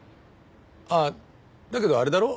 ああだけどあれだろ？